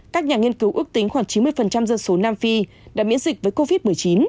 các nhà nghiên cứu ước tính khoảng chín mươi dân số nam phi đã miễn dịch với covid một mươi chín